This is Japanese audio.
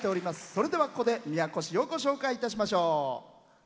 それでは、ここで宮古市をご紹介いたしましょう。